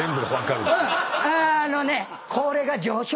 あーのね。